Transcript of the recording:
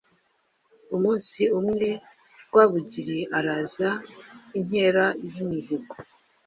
Umunsi umwe Rwabugiri araza inkera y’imihigo